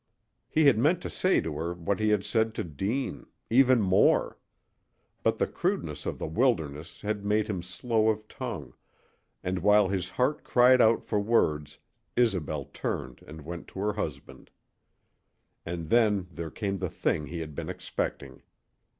He had meant to say to her what he had said to Deane even more. But the crudeness of the wilderness had made him slow of tongue, and while his heart cried out for words Isobel turned and went to her husband. And then there came the thing he had been expecting.